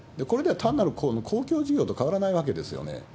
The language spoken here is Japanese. これでは単なる公共事業と変わらないわけですよね。